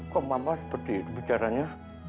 kok mama seperti itu bicaranya